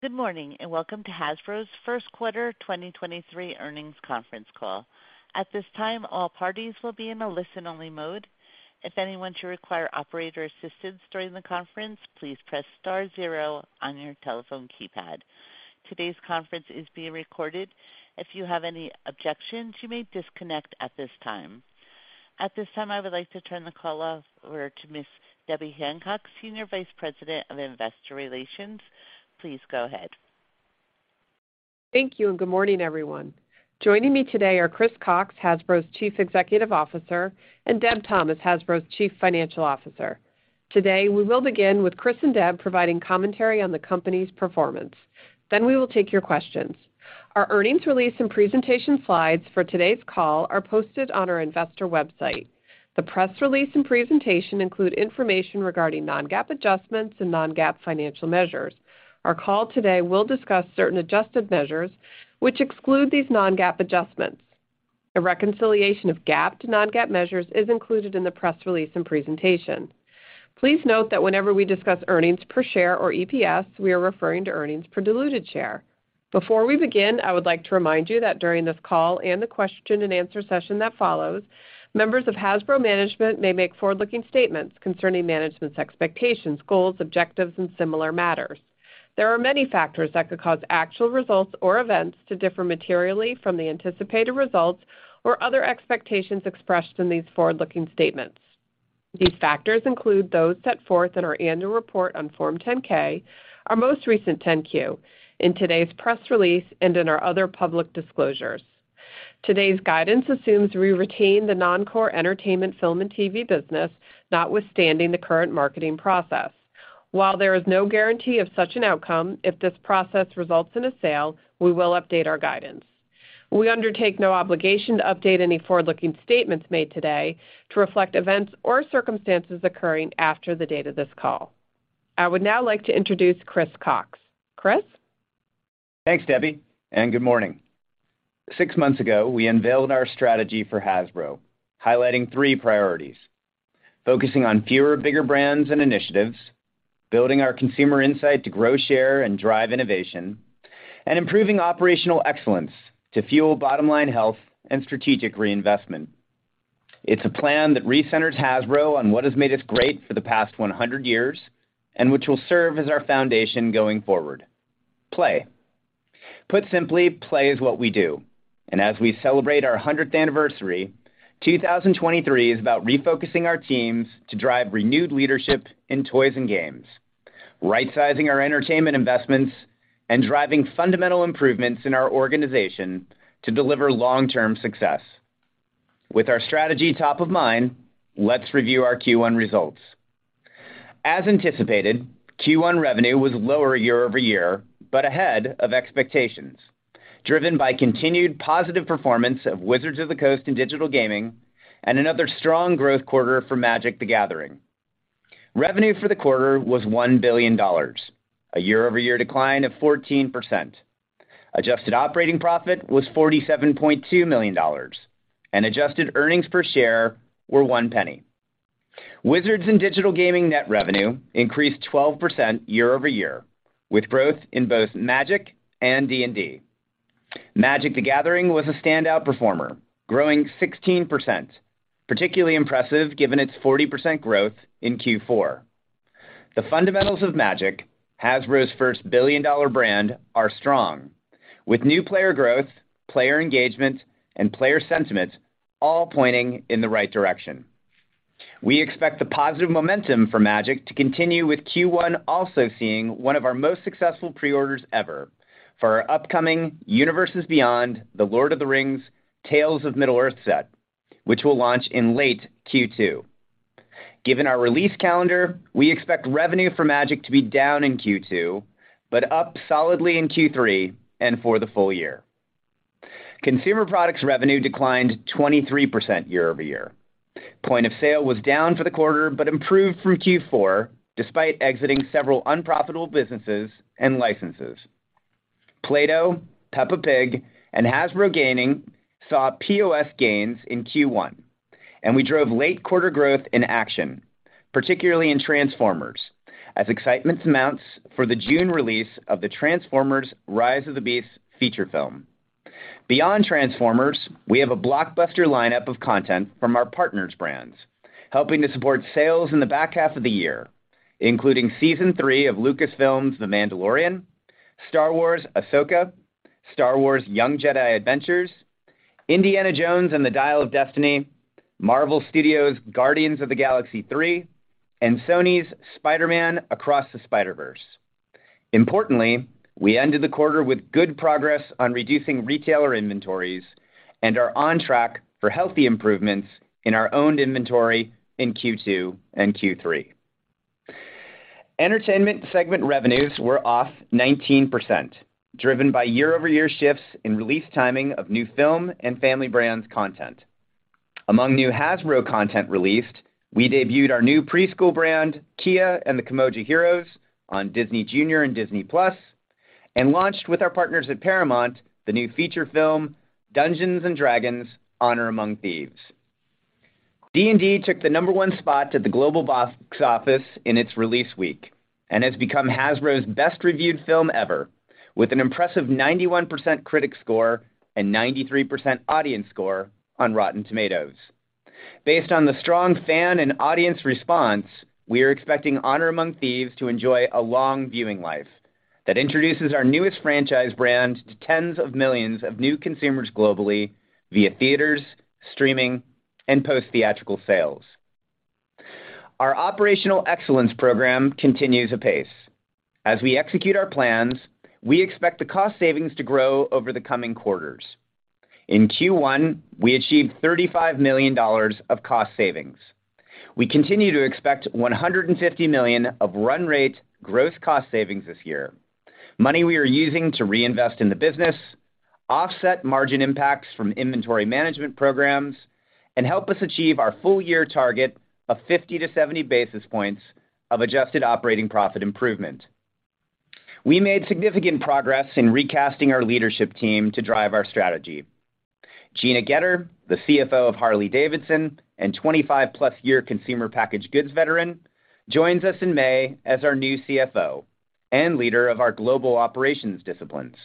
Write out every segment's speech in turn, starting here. Good morning, and welcome to Hasbro's first quarter 2023 earnings conference call. At this time, all parties will be in a listen-only mode. If anyone should require operator assistance during the conference, please press star zero on your telephone keypad. Today's conference is being recorded. If you have any objections, you may disconnect at this time. At this time, I would like to turn the call over to Miss Debbie Hancock, Senior Vice President of Investor Relations. Please go ahead. Thank you. Good morning, everyone. Joining me today are Chris Cocks, Hasbro's Chief Executive Officer, and Deb Thomas, Hasbro's Chief Financial Officer. Today, we will begin with Chris and Deb providing commentary on the company's performance. We will take your questions. Our earnings release and presentation slides for today's call are posted on our investor website. The press release and presentation include information regarding non-GAAP adjustments and non-GAAP financial measures. Our call today will discuss certain adjusted measures which exclude these non-GAAP adjustments. A reconciliation of GAAP to non-GAAP measures is included in the press release and presentation. Please note that whenever we discuss earnings per share or EPS, we are referring to earnings per diluted share. Before we begin, I would like to remind you that during this call and the question and answer session that follows, members of Hasbro management may make forward-looking statements concerning management's expectations, goals, objectives, and similar matters. There are many factors that could cause actual results or events to differ materially from the anticipated results or other expectations expressed in these forward-looking statements. These factors include those set forth in our annual report on Form 10-K, our most recent 10-Q, in today's press release, and in our other public disclosures. Today's guidance assumes we retain the non-core entertainment, film, and TV business, notwithstanding the current marketing process. While there is no guarantee of such an outcome, if this process results in a sale, we will update our guidance. We undertake no obligation to update any forward-looking statements made today to reflect events or circumstances occurring after the date of this call. I would now like to introduce Chris Cocks. Chris? Thanks, Debbie, and good morning. Six months ago, we unveiled our strategy for Hasbro, highlighting three priorities: focusing on fewer, bigger brands and initiatives, building our consumer insight to grow, share, and drive innovation, and improving operational excellence to fuel bottom-line health and strategic reinvestment. It's a plan that recenters Hasbro on what has made us great for the past 100 years and which will serve as our foundation going forward: play. Put simply, play is what we do. As we celebrate our 100th anniversary, 2023 is about refocusing our teams to drive renewed leadership in toys and games, rightsizing our entertainment investments and driving fundamental improvements in our organization to deliver long-term success. With our strategy top of mind, let's review our Q1 results. As anticipated, Q1 revenue was lower year-over-year but ahead of expectations, driven by continued positive performance of Wizards of the Coast in digital gaming and another strong growth quarter for Magic: The Gathering. Revenue for the quarter was $1 billion, a year-over-year decline of 14%. Adjusted operating profit was $47.2 million and adjusted earnings per share were $0.01. Wizards in digital gaming net revenue increased 12% year-over-year, with growth in both Magic and D&D. Magic: The Gathering was a standout performer, growing 16%, particularly impressive given its 40% growth in Q4. The fundamentals of Magic, Hasbro's first billion-dollar brand, are strong, with new player growth, player engagement, and player sentiment all pointing in the right direction. We expect the positive momentum for Magic to continue with Q1 also seeing one of our most successful pre-orders ever for our upcoming Universes Beyond: The Lord of the Rings—Tales of Middle-earth set, which will launch in late Q2. Given our release calendar, we expect revenue for Magic to be down in Q2, but up solidly in Q3 and for the full year. Consumer products revenue declined 23% year-over-year. Point of sale was down for the quarter but improved from Q4, despite exiting several unprofitable businesses and licenses. Play-Doh, Peppa Pig, and Hasbro Gaming saw POS gains in Q1, and we drove late quarter growth in action, particularly in Transformers, as excitement mounts for the June release of the Transformers: Rise of the Beasts feature film. Beyond Transformers, we have a blockbuster lineup of content from our partners brands, helping to support sales in the back half of the year, including season three of Lucasfilm's The Mandalorian, Star Wars: Ahsoka, Star Wars: Young Jedi Adventures, Indiana Jones and the Dial of Destiny, Marvel Studios' Guardians of the Galaxy Vol. 3, and Sony's Spider-Man: Across the Spider-Verse. Importantly, we ended the quarter with good progress on reducing retailer inventories and are on track for healthy improvements in our owned inventory in Q2 and Q3. Entertainment segment revenues were off 19%, driven by year-over-year shifts in release timing of new film and family brands content. Among new Hasbro content released, we debuted our new preschool brand, Kiya & the Kimoja Heroes on Disney Junior and Disney+, and launched with our partners at Paramount the new feature film Dungeons & Dragons: Honor Among Thieves. D&D took the number one spot at the global box office in its release week and has become Hasbro's best-reviewed film ever, with an impressive 91% critic score and 93% audience score on Rotten Tomatoes. Based on the strong fan and audience response, we are expecting Honor Among Thieves to enjoy a long viewing life that introduces our newest franchise brand to tens of millions of new consumers globally via theaters, streaming, and post-theatrical sales. Our operational excellence program continues apace. We execute our plans, we expect the cost savings to grow over the coming quarters. In Q1, we achieved $35 million of cost savings. We continue to expect $150 million of run rate gross cost savings this year, money we are using to reinvest in the business, offset margin impacts from inventory management programs, and help us achieve our full year target of 50 to 70 basis points of adjusted operating profit improvement. We made significant progress in recasting our leadership team to drive our strategy. Gina Goetter, the CFO of Harley-Davidson and 25-plus year consumer packaged goods veteran, joins us in May as our new CFO and leader of our global operations disciplines.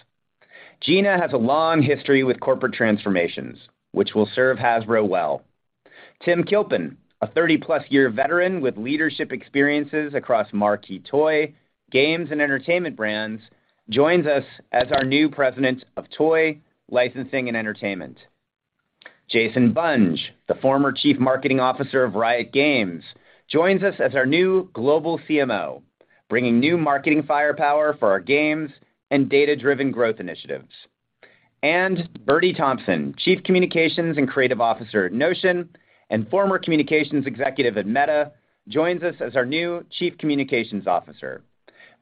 Gina has a long history with corporate transformations, which will serve Hasbro well. Tim Kilpin, a 30-plus year veteran with leadership experiences across marquee toy, games, and entertainment brands, joins us as our new President of Toy, Licensing, and Entertainment. Jason Bunge, the former Chief Marketing Officer of Riot Games, joins us as our new global CMO, bringing new marketing firepower for our games and data-driven growth initiatives. Bertie Thompson, Chief Communications and Creative Officer at Notion and former Communications Executive at Meta, joins us as our new Chief Communications Officer,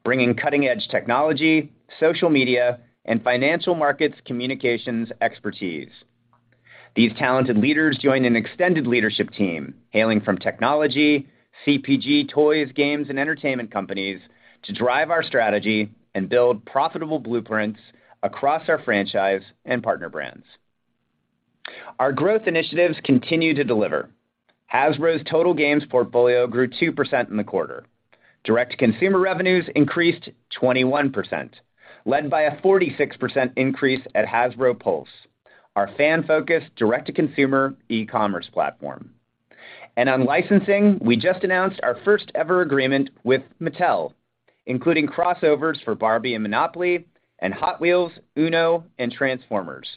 bringing cutting-edge technology, social media, and financial markets communications expertise. These talented leaders join an extended leadership team hailing from technology, CPG, toys, games, and entertainment companies to drive our strategy and build profitable blueprints across our franchise and partner brands. Our growth initiatives continue to deliver. Hasbro's total games portfolio grew 2% in the quarter. Direct-to-consumer revenues increased 21%, led by a 46% increase at Hasbro Pulse, our fan-focused direct-to-consumer e-commerce platform. On licensing, we just announced our first-ever agreement with Mattel, including crossovers for Barbie and Monopoly and Hot Wheels, UNO, and Transformers.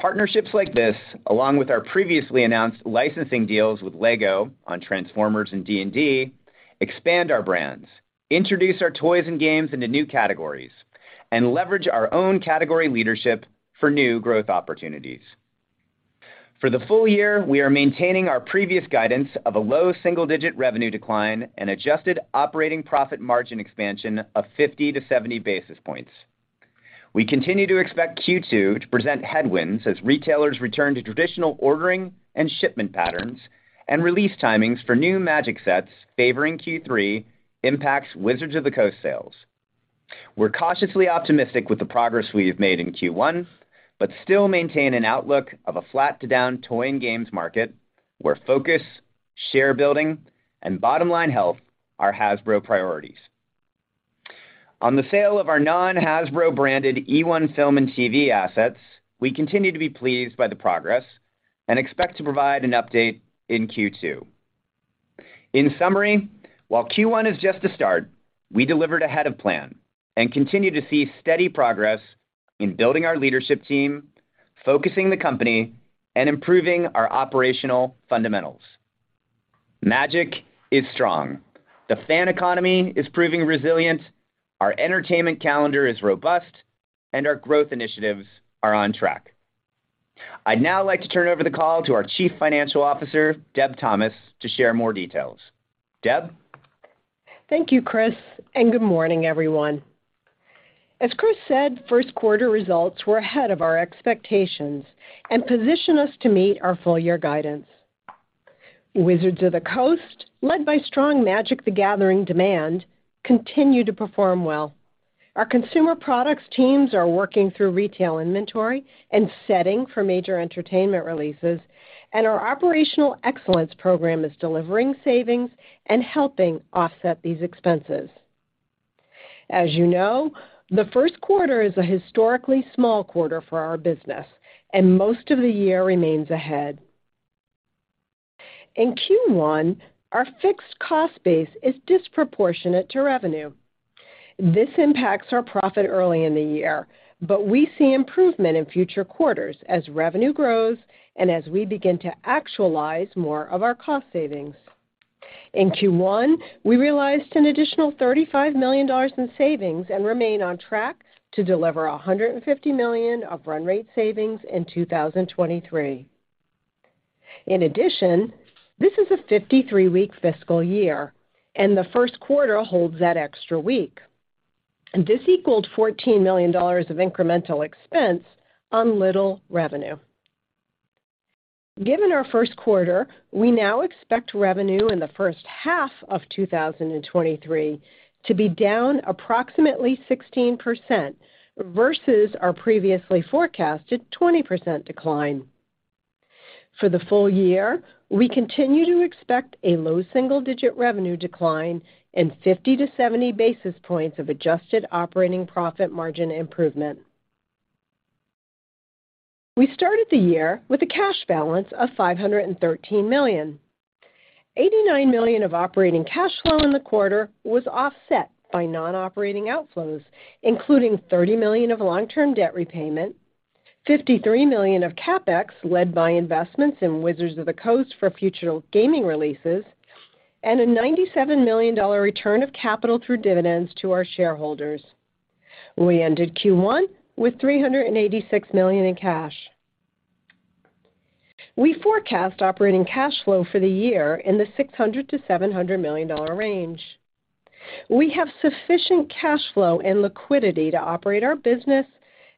Partnerships like this, along with our previously announced licensing deals with LEGO on Transformers and D&D, expand our brands, introduce our toys and games into new categories, and leverage our own category leadership for new growth opportunities. For the full year, we are maintaining our previous guidance of a low single-digit revenue decline and adjusted operating profit margin expansion of 50 to 70 basis points. We continue to expect Q2 to present headwinds as retailers return to traditional ordering and shipment patterns and release timings for new Magic sets favoring Q3 impacts Wizards of the Coast sales. We're cautiously optimistic with the progress we have made in Q1, but still maintain an outlook of a flat-to-down toy and games market where focus, share building, and bottom line health are Hasbro priorities. On the sale of our non-Hasbro-branded eOne Film and TV assets, we continue to be pleased by the progress and expect to provide an update in Q2. In summary, while Q1 is just a start, we delivered ahead of plan and continue to see steady progress in building our leadership team, focusing the company, and improving our operational fundamentals. Magic is strong, the fan economy is proving resilient, our entertainment calendar is robust, and our growth initiatives are on track. I'd now like to turn over the call to our Chief Financial Officer, Deb Thomas, to share more details. Deb? Thank you, Chris. Good morning, everyone. As Chris said, first quarter results were ahead of our expectations and position us to meet our full year guidance. Wizards of the Coast, led by strong Magic: The Gathering demand, continue to perform well. Our consumer products teams are working through retail inventory and setting for major entertainment releases. Our operational excellence program is delivering savings and helping offset these expenses. As you know, the first quarter is a historically small quarter for our business. Most of the year remains ahead. In Q1, our fixed cost base is disproportionate to revenue. This impacts our profit early in the year. We see improvement in future quarters as revenue grows as we begin to actualize more of our cost savings. In Q1, we realized an additional $35 million in savings and remain on track to deliver $150 million of run rate savings in 2023. In addition, this is a 53-week fiscal year, and the first quarter holds that extra week. This equaled $14 million of incremental expense on little revenue. Given our first quarter, we now expect revenue in the first half of 2023 to be down approximately 16% versus our previously forecasted 20% decline. For the full year, we continue to expect a low single-digit revenue decline and 50 to 70 basis points of adjusted operating profit margin improvement. We started the year with a cash balance of $513 million. $89 million of operating cash flow in the quarter was offset by non-operating outflows, including $30 million of long-term debt repayment, $53 million of CapEx, led by investments in Wizards of the Coast for future gaming releases, and a $97 million return of capital through dividends to our shareholders. We ended Q1 with $386 million in cash. We forecast operating cash flow for the year in the $600 million-$700 million range. We have sufficient cash flow and liquidity to operate our business,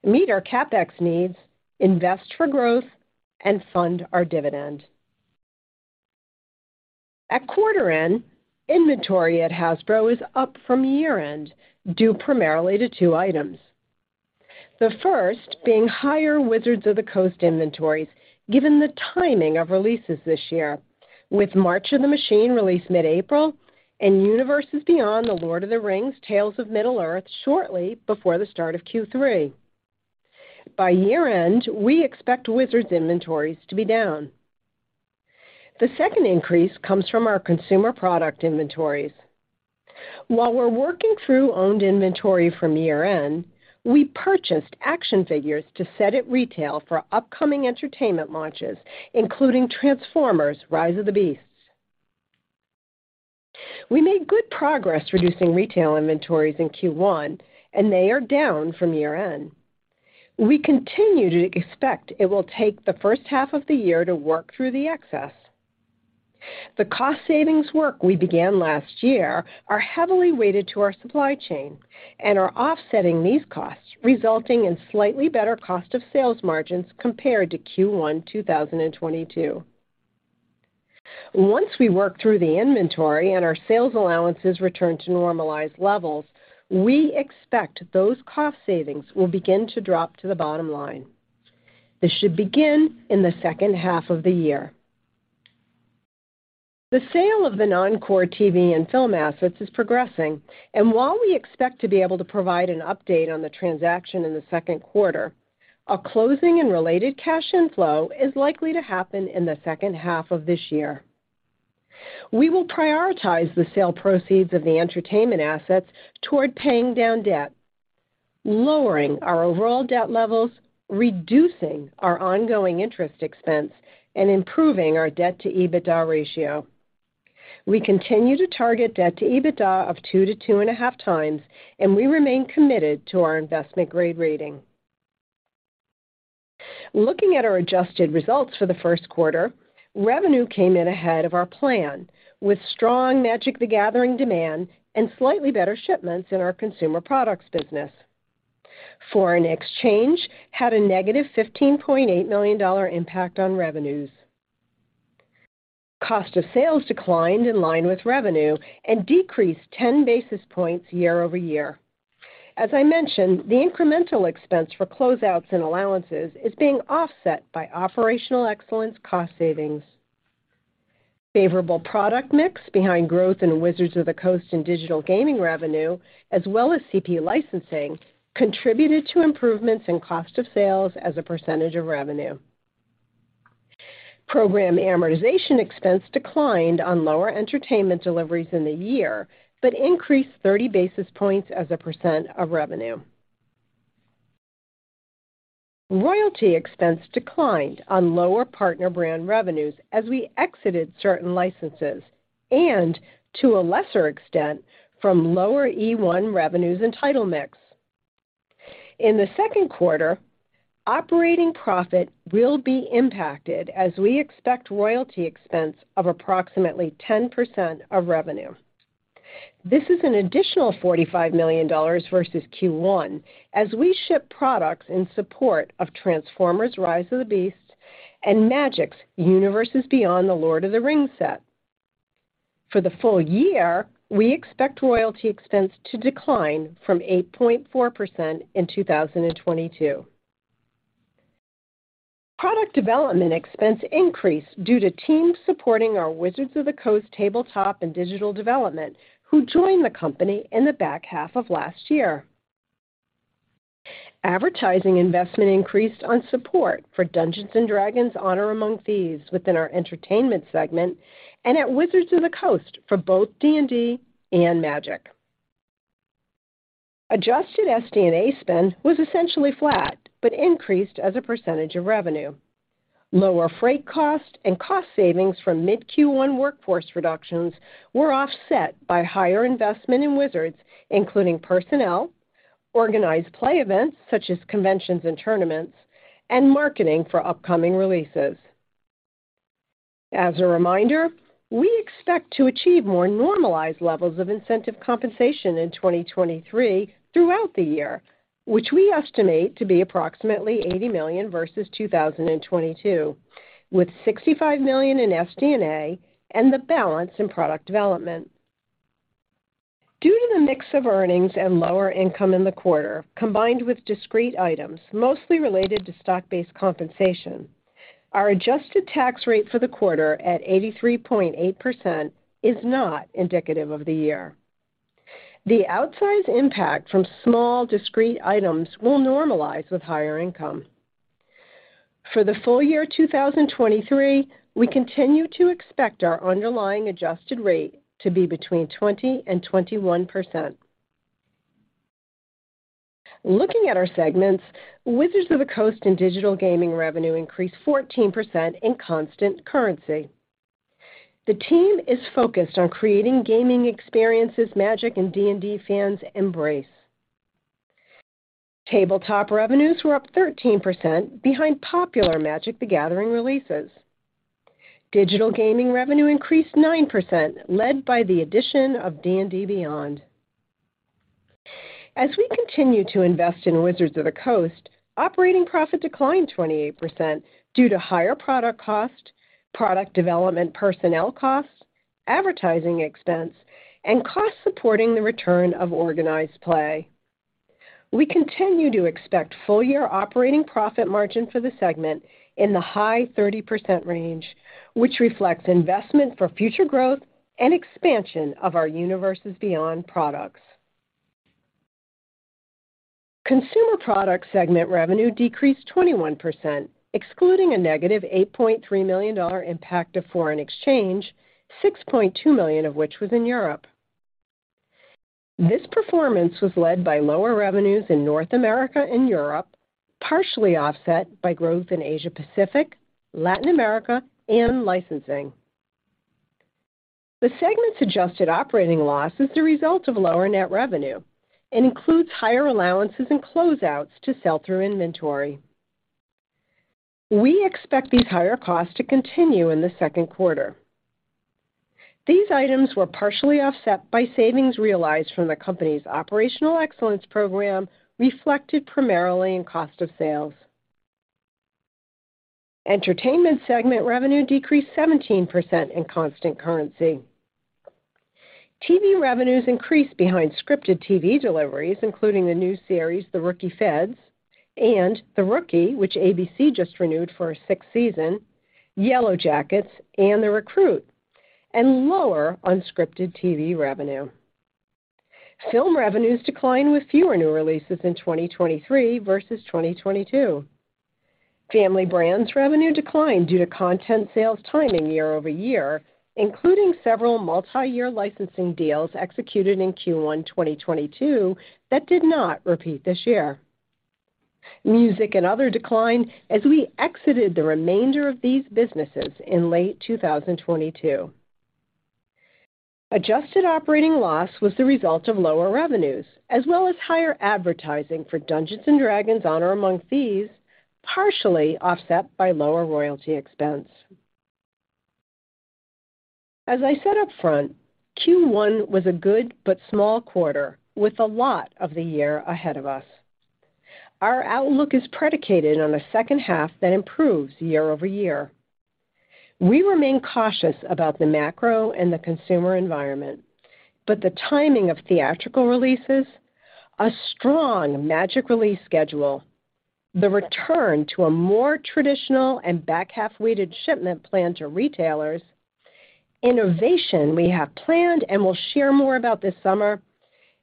meet our CapEx needs, invest for growth, and fund our dividend. At quarter end, inventory at Hasbro is up from year-end due primarily to two items. The first being higher Wizards of the Coast inventories given the timing of releases this year, with March of the Machine released mid-April and Universes Beyond The Lord of the Rings: Tales of Middle-earth shortly before the start of Q3. By year-end, we expect Wizards inventories to be down. The second increase comes from our consumer product inventories. While we're working through owned inventory from year-end, we purchased action figures to set at retail for upcoming entertainment launches, including Transformers: Rise of the Beasts. We made good progress reducing retail inventories in Q1, and they are down from year-end. We continue to expect it will take the first half of the year to work through the excess. The cost savings work we began last year are heavily weighted to our supply chain and are offsetting these costs, resulting in slightly better cost of sales margins compared to Q1 2022. Once we work through the inventory and our sales allowances return to normalized levels, we expect those cost savings will begin to drop to the bottom line. This should begin in the second half of the year. The sale of the non-core TV and film assets is progressing, and while we expect to be able to provide an update on the transaction in the second quarter, a closing and related cash inflow is likely to happen in the second half of this year. We will prioritize the sale proceeds of the entertainment assets toward paying down debt, lowering our overall debt levels, reducing our ongoing interest expense, and improving our debt-to-EBITDA ratio. We continue to target debt-to-EBITDA of 2 to 2.5 times, and we remain committed to our investment-grade rating. Looking at our adjusted results for the first quarter, revenue came in ahead of our plan with strong Magic: The Gathering demand and slightly better shipments in our consumer products business. Foreign exchange had a negative $15.8 million impact on revenues. Cost of sales declined in line with revenue and decreased 10 basis points year-over-year. As I mentioned, the incremental expense for closeouts and allowances is being offset by operational excellence cost savings. Favorable product mix behind growth in Wizards of the Coast and digital gaming revenue, as well as CP licensing, contributed to improvements in cost of sales as a % of revenue. Program amortization expense declined on lower entertainment deliveries in the year but increased 30 basis points as a % of revenue. Royalty expense declined on lower partner brand revenues as we exited certain licenses and to a lesser extent, from lower eOne revenues and title mix. In the second quarter, operating profit will be impacted as we expect royalty expense of approximately 10% of revenue. This is an additional $45 million versus Q1 as we ship products in support of Transformers: Rise of the Beasts and Magic's Universes Beyond The Lord of the Rings: Tales of Middle-earth set. For the full year, we expect royalty expense to decline from 8.4% in 2022. Product development expense increased due to teams supporting our Wizards of the Coast tabletop and digital development, who joined the company in the back half of last year. Advertising investment increased on support for Dungeons & Dragons: Honor Among Thieves within our entertainment segment and at Wizards of the Coast for both D&D and Magic. Adjusted SD&A spend was essentially flat but increased as a % of revenue. Lower freight cost and cost savings from mid-Q1 workforce reductions were offset by higher investment in Wizards, including personnel, organized play events such as conventions and tournaments, and marketing for upcoming releases. As a reminder, we expect to achieve more normalized levels of incentive compensation in 2023 throughout the year, which we estimate to be approximately $80 million versus 2022, with $65 million in SD&A and the balance in product development. Due to the mix of earnings and lower income in the quarter, combined with discrete items, mostly related to stock-based compensation, our adjusted tax rate for the quarter at 83.8% is not indicative of the year. The outsized impact from small discrete items will normalize with higher income. For the full year 2023, we continue to expect our underlying adjusted rate to be between 20% and 21%. Looking at our segments, Wizards of the Coast and Digital Gaming revenue increased 14% in constant currency. The team is focused on creating gaming experiences Magic and D&D fans embrace. Tabletop revenues were up 13% behind popular Magic: The Gathering releases. Digital Gaming revenue increased 9%, led by the addition of D&D Beyond. As we continue to invest in Wizards of the Coast, operating profit declined 28% due to higher product cost, product development personnel costs, advertising expense, and costs supporting the return of organized play. We continue to expect full year operating profit margin for the segment in the high 30% range, which reflects investment for future growth and expansion of our Universes Beyond products. Consumer Products segment revenue decreased 21%, excluding a negative $8.3 million impact of foreign exchange, $6.2 million of which was in Europe. This performance was led by lower revenues in North America and Europe, partially offset by growth in Asia Pacific, Latin America, and licensing. The segment's adjusted operating loss is the result of lower net revenue and includes higher allowances and closeouts to sell through inventory. We expect these higher costs to continue in the second quarter. These items were partially offset by savings realized from the company's operational excellence program, reflected primarily in cost of sales. Entertainment segment revenue decreased 17% in constant currency. TV revenues increased behind scripted TV deliveries, including the new series, The Rookie: Feds and The Rookie, which ABC just renewed for a sixth season, Yellowjackets and The Recruit and lower unscripted TV revenue. Film revenues declined with fewer new releases in 2023 versus 2022. Family Brands revenue declined due to content sales timing year-over-year, including several multi-year licensing deals executed in Q1 2022 that did not repeat this year. Music and Other declined as we exited the remainder of these businesses in late 2022. Adjusted operating loss was the result of lower revenues as well as higher advertising for Dungeons & Dragons: Honor Among Thieves, partially offset by lower royalty expense. As I said upfront, Q1 was a good but small quarter with a lot of the year ahead of us. Our outlook is predicated on a second half that improves year-over-year. We remain cautious about the macro and the consumer environment, but the timing of theatrical releases, a strong Magic release schedule, the return to a more traditional and back-half weighted shipment plan to retailers, innovation we have planned and will share more about this summer,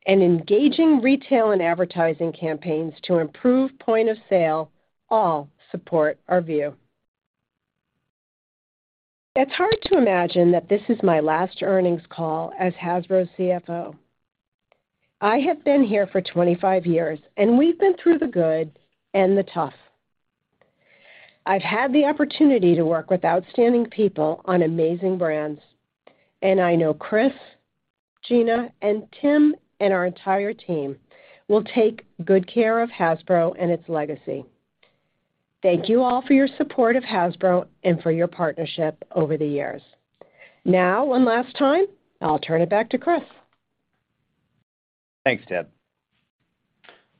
and engaging retail and advertising campaigns to improve point of sale all support our view. It's hard to imagine that this is my last earnings call as Hasbro CFO. I have been here for 25 years, and we've been through the good and the tough. I've had the opportunity to work with outstanding people on amazing brands, and I know Chris, Gina, and Tim, and our entire team will take good care of Hasbro and its legacy. Thank you all for your support of Hasbro and for your partnership over the years. Now, one last time, I'll turn it back to Chris. Thanks, Deb.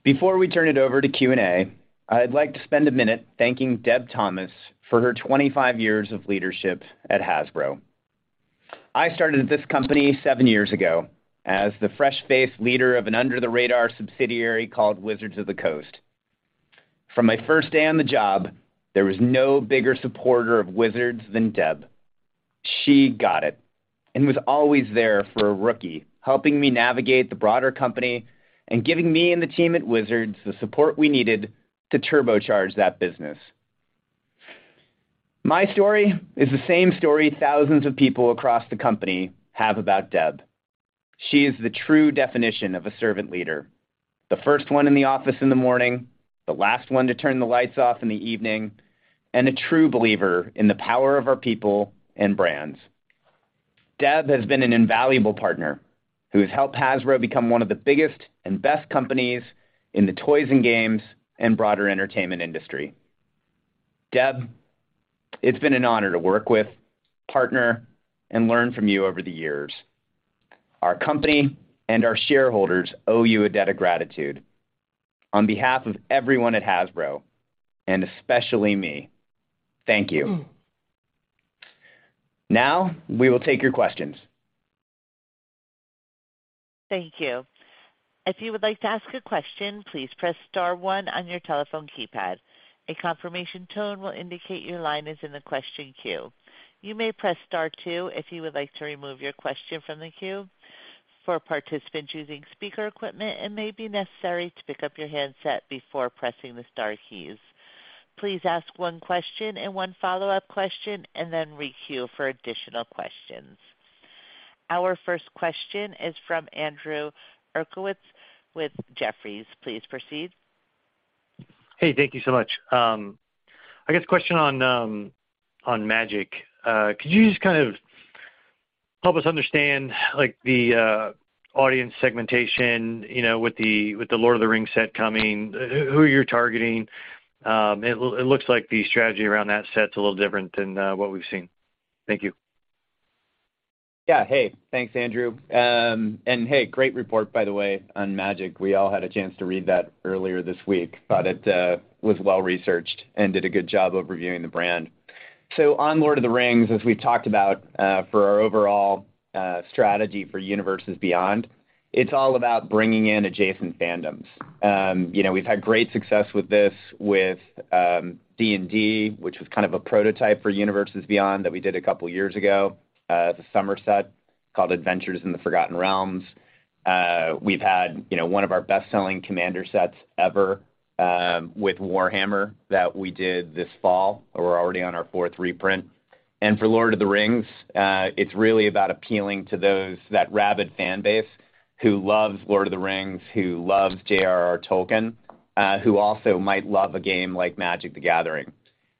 Before we turn it over to Q&A, I'd like to spend a minute thanking Deb Thomas for her 25 years of leadership at Hasbro. I started at this company seven years ago as the fresh-faced leader of an under-the-radar subsidiary called Wizards of the Coast. From my first day on the job, there was no bigger supporter of Wizards than Deb. She got it and was always there for a rookie, helping me navigate the broader company and giving me and the team at Wizards the support we needed to turbocharge that business. My story is the same story thousands of people across the company have about Deb. She is the true definition of a servant leader, the first one in the office in the morning, the last one to turn the lights off in the evening, and a true believer in the power of our people and brands. Deb has been an invaluable partner who has helped Hasbro become one of the biggest and best companies in the toys and games and broader entertainment industry. Deb, it's been an honor to work with, partner, and learn from you over the years. Our company and our shareholders owe you a debt of gratitude. On behalf of everyone at Hasbro, and especially me, thank you. We will take your questions. Thank you. If you would like to ask a question, please press star one on your telephone keypad. A confirmation tone will indicate your line is in the question queue. You may press star two if you would like to remove your question from the queue. For participants using speaker equipment, it may be necessary to pick up your handset before pressing the star keys. Please ask one question and 1 follow-up question and then re-queue for additional questions. Our first question is from Andrew Uerkwitz with Jefferies. Please proceed. Hey, thank you so much. I guess question on Magic. Could you just kind of help us understand, like, the audience segmentation, you know, with The Lord of the Rings set coming, who you're targeting? It looks like the strategy around that set's a little different than, what we've seen. Thank you. Yeah. Hey, thanks, Andrew. Hey, great report, by the way, on Magic. We all had a chance to read that earlier this week, thought it was well-researched and did a good job of reviewing the brand. On The Lord of the Rings, as we've talked about, for our overall strategy for Universes Beyond, it's all about bringing in adjacent fandoms. You know, we've had great success with this with D&D, which was kind of a prototype for Universes Beyond that we did two years ago, the summer set called Adventures in the Forgotten Realms. We've had, you know, one of our best-selling Commander sets ever with Warhammer that we did this fall. We're already on our fourth reprint. For The Lord of the Rings, it's really about appealing to those, that rabid fan base who loves The Lord of the Rings, who loves J.R.R. Tolkien, who also might love a game like Magic: The Gathering.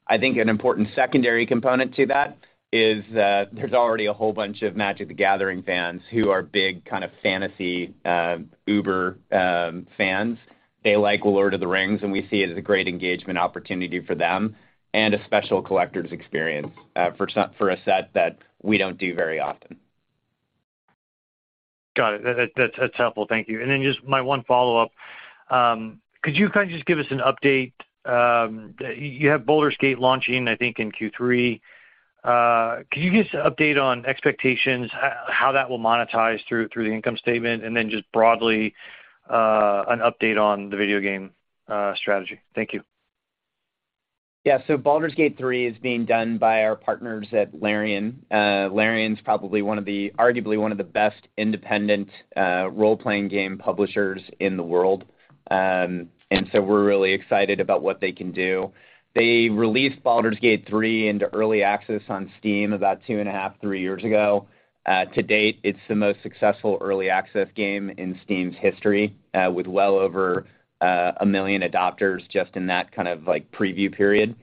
I think an important secondary component to that is that there's already a whole bunch of Magic: The Gathering fans who are big kind of fantasy, uber, fans. They like The Lord of the Rings, we see it as a great engagement opportunity for them and a special collector's experience for a set that we don't do very often. Got it. That's helpful. Thank you. Just my one follow-up. Could you kind of just give us an update, you have Baldur's Gate launching, I think, in Q3. Can you give us an update on expectations, how that will monetize through the income statement, just broadly, an update on the video game strategy? Thank you. Yeah. Baldur's Gate 3 is being done by our partners at Larian. Larian's probably arguably one of the best independent role-playing game publishers in the world. We're really excited about what they can do. They released Baldur's Gate 3 into early access on Steam about two and a half, three years ago. To date, it's the most successful early access game in Steam's history, with well over 1 million adopters just in that kind of, like, preview period.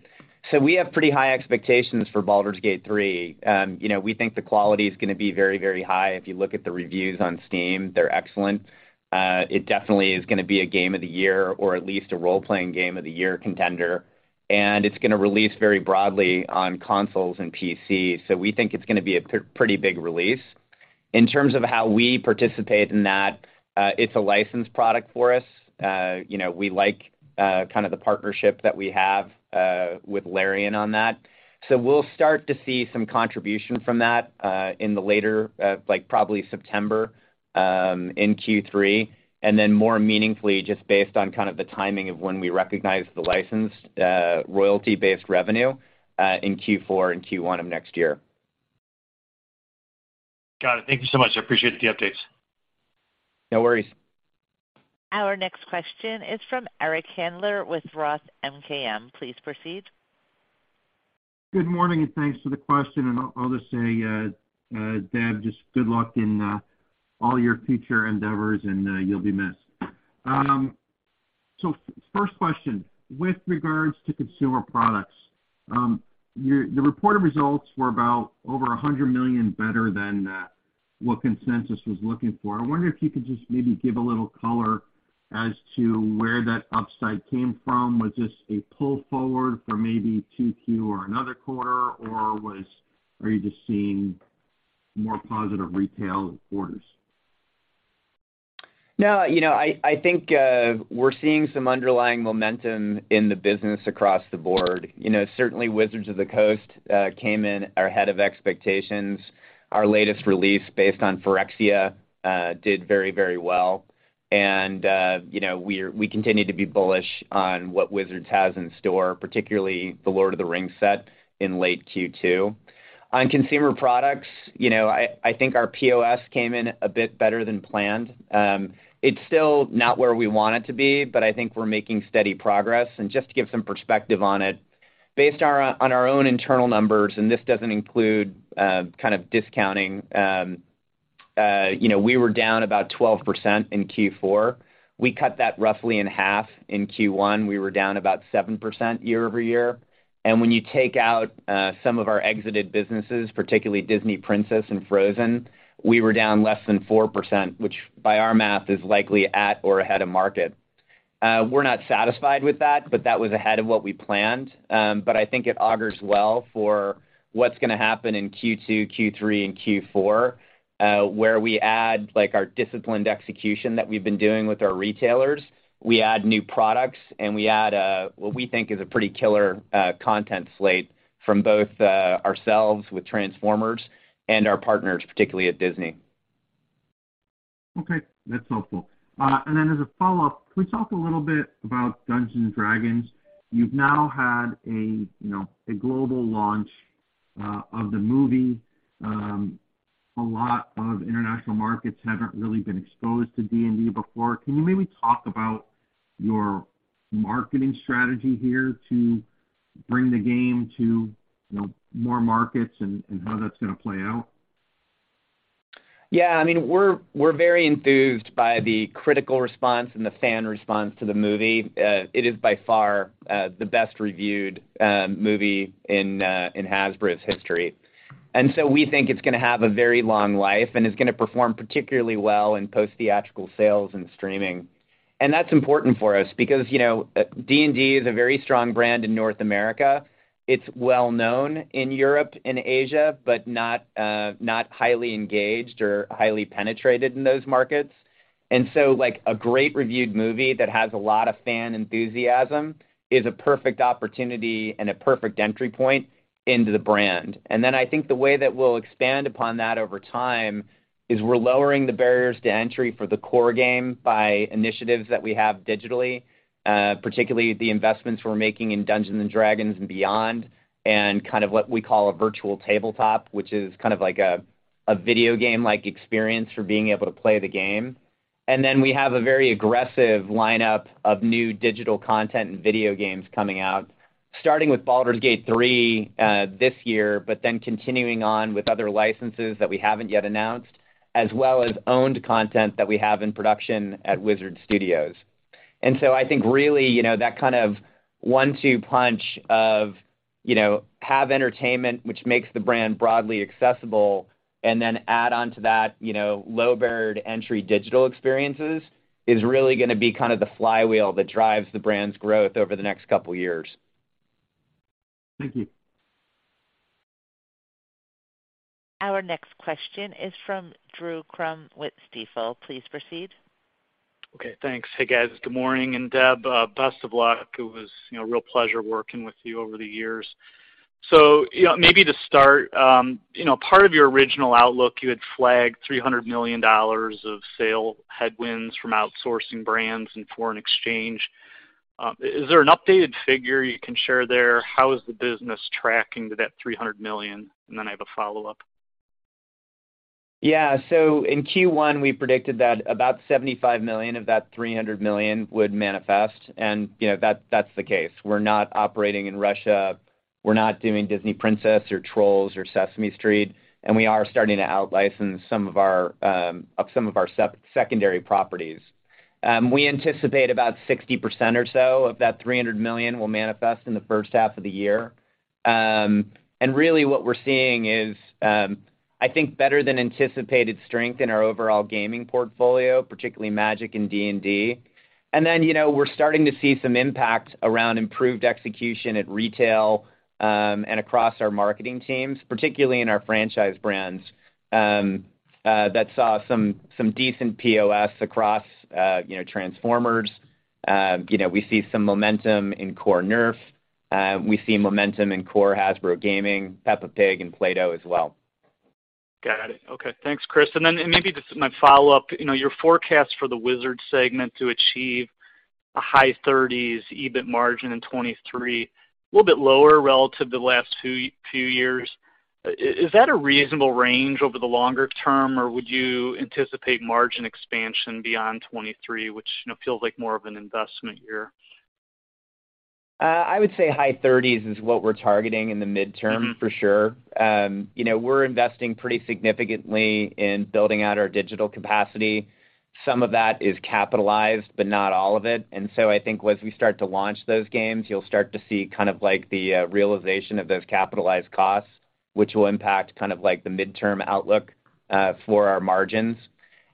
We have pretty high expectations for Baldur's Gate 3. You know, we think the quality is gonna be very, very high. If you look at the reviews on Steam, they're excellent. It definitely is gonna be a game of the year or at least a role-playing game of the year contender, and it's gonna release very broadly on consoles and PCs. We think it's gonna be a pretty big release. In terms of how we participate in that, it's a licensed product for us. You know, we like, kind of the partnership that we have, with Larian on that. We'll start to see some contribution from that, in the later, like, probably September, in Q3, and then more meaningfully, just based on kind of the timing of when we recognize the licensed, royalty-based revenue, in Q4 and Q1 of next year. Got it. Thank you so much. I appreciate the updates. No worries. Our next question is from Eric Handler with Roth MKM. Please proceed. Good morning. Thanks for the question. I'll just say, Deb, just good luck in all your future endeavors, and you'll be missed. First question, with regards to consumer products, the reported results were about over $100 million better than what consensus was looking for. I wonder if you could just maybe give a little color as to where that upside came from. Was this a pull forward for maybe 2Q or another quarter, or are you just seeing more positive retail quarters? No, you know, I think, we're seeing some underlying momentum in the business across the board. You know, certainly Wizards of the Coast came in or ahead of expectations. Our latest release based on Phyrexia did very, very well. You know, we're, we continue to be bullish on what Wizards has in store, particularly The Lord of the Rings set in late Q2. On consumer products, you know, I think our POS came in a bit better than planned. It's still not where we want it to be, but I think we're making steady progress. Just to give some perspective on it, based on our, on our own internal numbers, and this doesn't include, kind of discounting, you know, we were down about 12% in Q4. We cut that roughly in half in Q1. We were down about 7% year-over-year. When you take out some of our exited businesses, particularly Disney Princess and Frozen, we were down less than 4%, which by our math, is likely at or ahead of market. We're not satisfied with that, but that was ahead of what we planned. I think it augurs well for what's gonna happen in Q2, Q3, and Q4, where we add, like, our disciplined execution that we've been doing with our retailers. We add new products, and we add what we think is a pretty killer content slate from both ourselves with Transformers and our partners, particularly at Disney. Okay, that's helpful. As a follow-up, can we talk a little bit about Dungeons & Dragons? You've now had a, you know, a global launch of the movie. A lot of international markets haven't really been exposed to D&D before. Can you maybe talk about your marketing strategy here to bring the game to, you know, more markets and how that's gonna play out? Yeah, I mean, we're very enthused by the critical response and the fan response to the movie. It is by far the best reviewed movie in Hasbro's history. We think it's gonna have a very long life, and it's gonna perform particularly well in post-theatrical sales and streaming. That's important for us because, you know, D&D is a very strong brand in North America. It's well known in Europe and Asia, but not highly engaged or highly penetrated in those markets. Like, a great reviewed movie that has a lot of fan enthusiasm is a perfect opportunity and a perfect entry point into the brand. I think the way that we'll expand upon that over time is we're lowering the barriers to entry for the core game by initiatives that we have digitally, particularly the investments we're making in Dungeons and Dragons and beyond, and kind of what we call a virtual tabletop, which is kind of like a video game-like experience for being able to play the game. We have a very aggressive lineup of new digital content and video games coming out, starting with Baldur's Gate 3 this year, but then continuing on with other licenses that we haven't yet announced, as well as owned content that we have in production at Wizard Studios. I think really, you know, that kind of one-two punch of, you know, have entertainment, which makes the brand broadly accessible, and then add onto that, you know, low-barriered entry digital experiences, is really gonna be kind of the flywheel that drives the brand's growth over the next couple years. Thank you. Our next question is from Drew Crum with Stifel. Please proceed. Okay, thanks. Hey, guys. Good morning. Deb, best of luck. It was, you know, a real pleasure working with you over the years. You know, maybe to start, you know, part of your original outlook, you had flagged $300 million of sale headwinds from outsourcing brands and foreign exchange. Is there an updated figure you can share there? How is the business tracking to that $300 million? Then I have a follow-up. In Q1, we predicted that about $75 million of that $300 million would manifest, you know, that's the case. We're not operating in Russia. We're not doing Disney Princess or Trolls or Sesame Street, we are starting to out-license some of our secondary properties. We anticipate about 60% or so of that $300 million will manifest in the first half of the year. Really what we're seeing is, I think better than anticipated strength in our overall gaming portfolio, particularly Magic and D&D. You know, we're starting to see some impact around improved execution at retail, across our marketing teams, particularly in our franchise brands, that saw some decent POS across, you know, Transformers. You know, we see some momentum in core NERF. We see momentum in core Hasbro Gaming, Peppa Pig and Play-Doh as well. Got it. Okay. Thanks, Chris. Maybe just my follow-up. You know, your forecast for the Wizard segment to achieve a high 30s EBIT margin in 2023, a little bit lower relative to the last few years. Is that a reasonable range over the longer term, or would you anticipate margin expansion beyond 2023, which, you know, feels like more of an investment year? I would say high thirties is what we're targeting in the midterm for sure. You know, we're investing pretty significantly in building out our digital capacity. Some of that is capitalized, but not all of it. I think as we start to launch those games, you'll start to see kind of like the realization of those capitalized costs, which will impact kind of like the midterm outlook for our margins.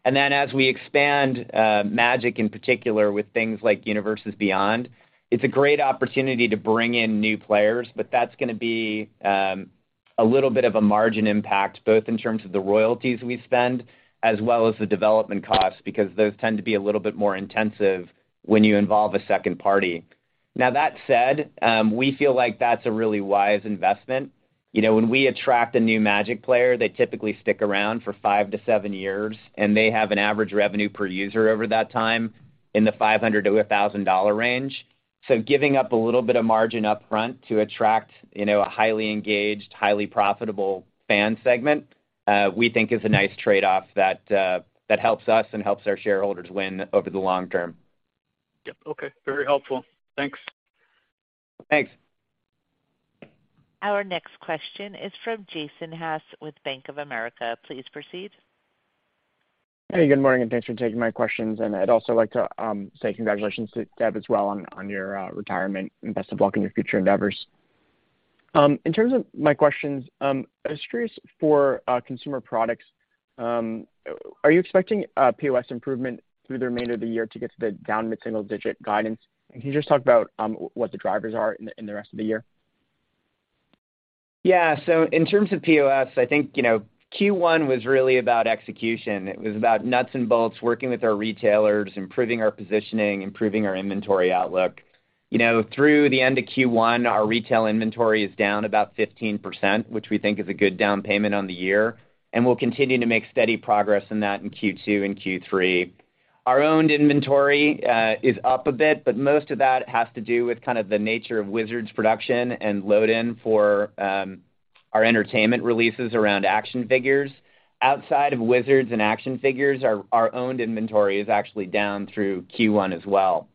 Then as we expand Magic in particular with things like Universes Beyond, it's a great opportunity to bring in new players, but that's gonna be a little bit of a margin impact, both in terms of the royalties we spend as well as the development costs, because those tend to be a little bit more intensive when you involve a second party. That said, we feel like that's a really wise investment. You know, when we attract a new Magic player, they typically stick around for five to seven years, and they have an average revenue per user over that time in the $500-$1,000 range. Giving up a little bit of margin up front to attract, you know, a highly engaged, highly profitable fan segment, we think is a nice trade-off that helps us and helps our shareholders win over the long term. Yep. Okay. Very helpful. Thanks. Thanks. Our next question is from Jason Haas with Bank of America. Please proceed. Hey, good morning. Thanks for taking my questions. I'd also like to say congratulations to Deb as well on your retirement and best of luck in your future endeavors. In terms of my questions, I'm just curious for consumer products, are you expecting a POS improvement through the remainder of the year to get to the down mid-single digit guidance? Can you just talk about what the drivers are in the rest of the year? Yeah. In terms of POS, I think, you know, Q1 was really about execution. It was about nuts and bolts, working with our retailers, improving our positioning, improving our inventory outlook. You know, through the end of Q1, our retail inventory is down about 15%, which we think is a good down payment on the year, and we'll continue to make steady progress in that in Q2 and Q3. Our owned inventory is up a bit, but most of that has to do with kind of the nature of Wizards production and load in for our entertainment releases around action figures. Outside of Wizards and action figures, our owned inventory is actually down through Q1 as well.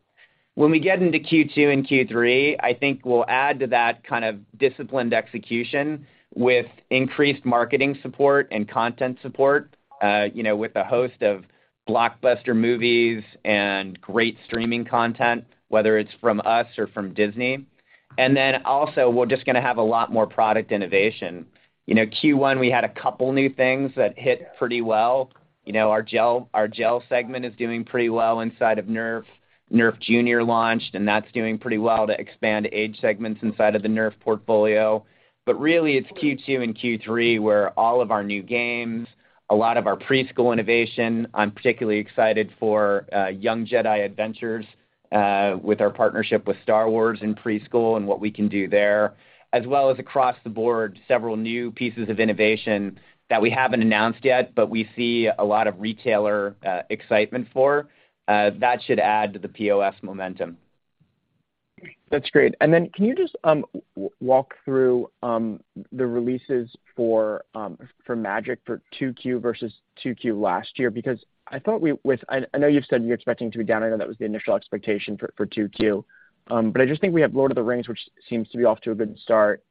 When we get into Q2 and Q3, I think we'll add to that kind of disciplined execution with increased marketing support and content support, you know, with a host of blockbuster movies and great streaming content, whether it's from us or from Disney. Then also, we're just gonna have a lot more product innovation. You know, Q1, we had a couple new things that hit pretty well. You know, our gel segment is doing pretty well inside of NERF. NERF Junior launched, and that's doing pretty well to expand age segments inside of the NERF portfolio. Really, it's Q2 and Q3, where all of our new games, a lot of our preschool innovation. I'm particularly excited for Young Jedi Adventures with our partnership with Star Wars in preschool and what we can do there, as well as across the board, several new pieces of innovation that we haven't announced yet, but we see a lot of retailer excitement for. That should add to the POS momentum. That's great. Can you just walk through the releases for Magic for 2Q versus 2Q last year? I know you've said you're expecting to be down. I know that was the initial expectation for 2Q. I just think we have Lord of the Rings, which seems to be off to a good start.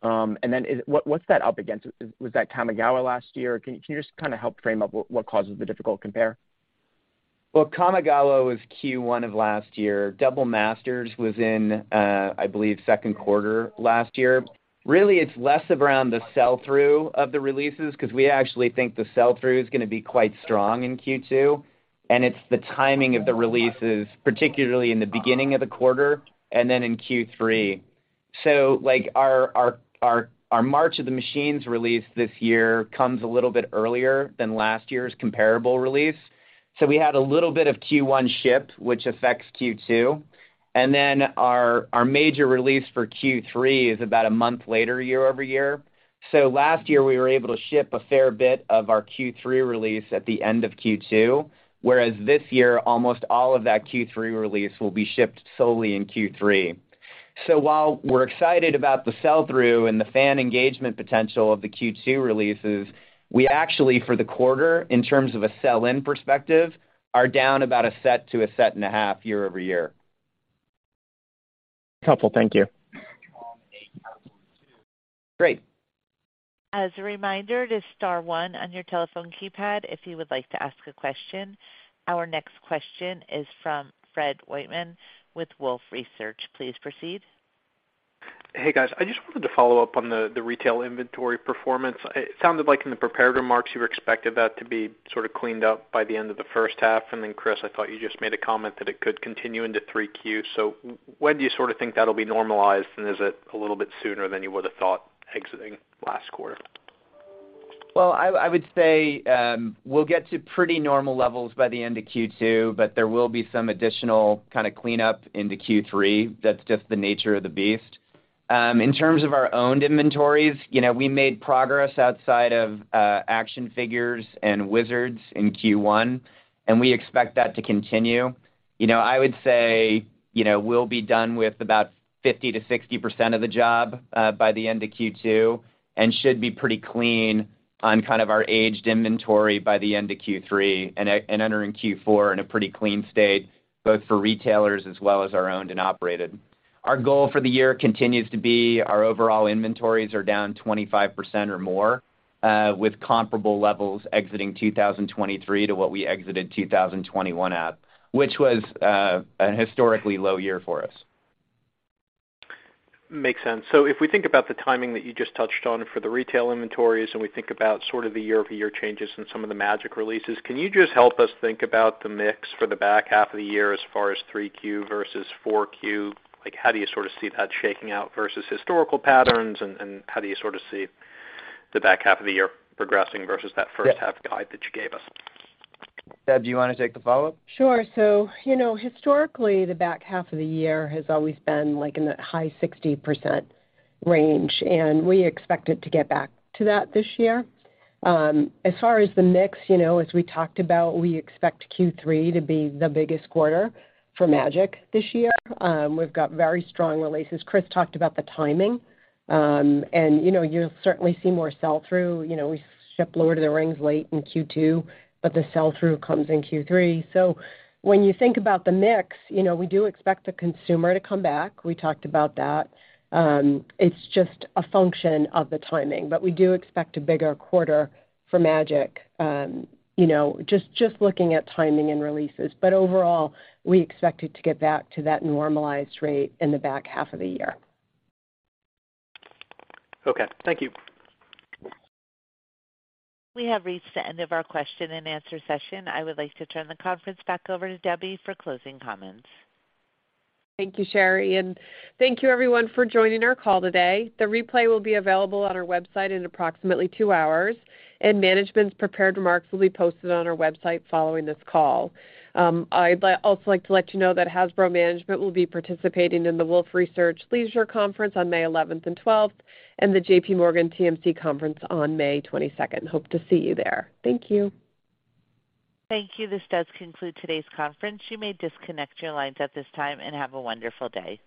What's that up against? Was that Kamigawa last year? Can you just kinda help frame up what causes the difficult compare? Well, Kamigawa was Q1 of last year. Double Masters was in, I believe, second quarter last year. Really, it's less around the sell-through of the releases, 'cause we actually think the sell-through is gonna be quite strong in Q2, it's the timing of the releases, particularly in the beginning of the quarter and then in Q3. Like, our March of the Machine release this year comes a little bit earlier than last year's comparable release. We had a little bit of Q1 ship, which affects Q2. Our major release for Q3 is about a month later year-over-year. Last year, we were able to ship a fair bit of our Q3 release at the end of Q2, whereas this year, almost all of that Q3 release will be shipped solely in Q3. While we're excited about the sell-through and the fan engagement potential of the Q2 releases, we actually, for the quarter, in terms of a sell-in perspective, are down about a set to a set and a half year-over-year. Helpful. Thank you. Great. As a reminder, it is star one on your telephone keypad if you would like to ask a question. Our next question is from Fred Wightman with Wolfe Research. Please proceed. Hey, guys. I just wanted to follow up on the retail inventory performance. It sounded like in the prepared remarks you were expecting that to be sort of cleaned up by the end of the first half. Then Chris, I thought you just made a comment that it could continue into 3Q. When do you sort of think that'll be normalized, and is it a little bit sooner than you would have thought exiting last quarter? Well, I would say, we'll get to pretty normal levels by the end of Q2, but there will be some additional kind of cleanup into Q3. That's just the nature of the beast. In terms of our owned inventories, you know, we made progress outside of action figures and Wizards in Q1, and we expect that to continue. You know, I would say, you know, we'll be done with about 50%-60% of the job by the end of Q2 and should be pretty clean on kind of our aged inventory by the end of Q3 and entering Q4 in a pretty clean state, both for retailers as well as our owned and operated. Our goal for the year continues to be our overall inventories are down 25% or more, with comparable levels exiting 2023 to what we exited 2021 at, which was, a historically low year for us. Makes sense. If we think about the timing that you just touched on for the retail inventories and we think about sort of the year-over-year changes in some of the Magic releases, can you just help us think about the mix for the back half of the year as far as 3Q versus 4Q? Like, how do you sort of see that shaking out versus historical patterns, and how do you sort of see the back half of the year progressing versus that first half guide that you gave us? Deb, do you wanna take the follow-up? Sure. You know, historically, the back half of the year has always been, like, in the high 60% range, and we expect it to get back to that this year. As far as the mix, you know, as we talked about, we expect Q3 to be the biggest quarter for Magic this year. We've got very strong releases. Chris talked about the timing. You know, you'll certainly see more sell-through. You know, we shipped Lord of the Rings late in Q2, but the sell-through comes in Q3. When you think about the mix, you know, we do expect the consumer to come back. We talked about that. It's just a function of the timing, but we do expect a bigger quarter for Magic, you know, just looking at timing and releases. Overall, we expect it to get back to that normalized rate in the back half of the year. Okay, thank you. We have reached the end of our question-and-answer session. I would like to turn the conference back over to Debbie for closing comments. Thank you, Sherry, thank you everyone for joining our call today. The replay will be available on our website in approximately two hours, and management's prepared remarks will be posted on our website following this call. I'd also like to let you know that Hasbro management will be participating in the Wolfe Research Leisure Conference on 11 May and 12 May, and the JPMorgan TMC Conference on 22 May. Hope to see you there. Thank you. Thank you. This does conclude today's conference. You may disconnect your lines at this time, and have a wonderful day.